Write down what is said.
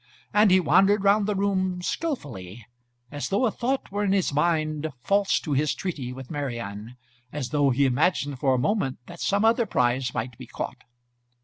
And he wandered round the room skilfully, as though a thought were in his mind false to his treaty with Marian, as though he imagined for a moment that some other prize might be caught.